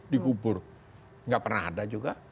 digubur gak pernah ada juga